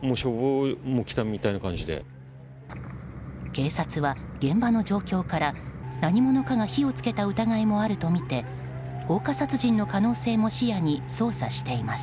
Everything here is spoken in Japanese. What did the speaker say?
警察は、現場の状況から何者かが火を付けた疑いもあるとみて放火殺人の可能性も視野に捜査しています。